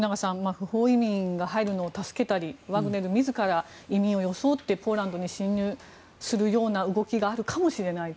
不法移民が入るのを助けたりワグネル自ら移民を装ってポーランドに侵入する動きがあるかもしれないと。